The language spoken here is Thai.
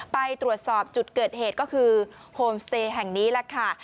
ไปตรวจสอบจุดเกิดเหตุก็คือโฮมสเตย์แห่งนี้แหละค่ะ